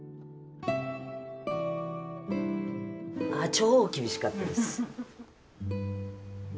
超厳しかったです。